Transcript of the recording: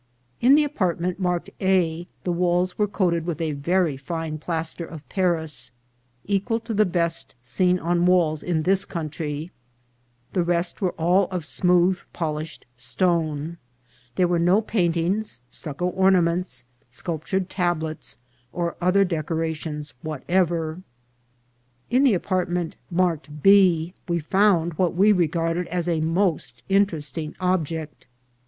In the apartment marked A the walls were coated with a very fine plas ter of Paris, equal to the best seen on walls in this country. The rest were all of smooth polished stone. There were no paintings, stucco ornaments, sculptured tablets, or other decorations whatever. In the apartment marked B we found what we re garded as a most interesting object.